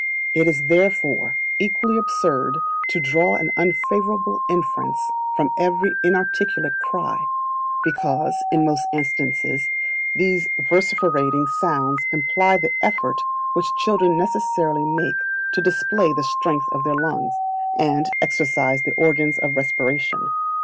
It is therefore equally absurd to draw an unfavourable inference from every inarticulate cry; because, in most instances, these vociferating sounds imply the effort which children necessarily make to display the strength of their lungs, and exercise the organs of respiration.